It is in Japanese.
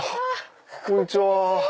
こんにちは！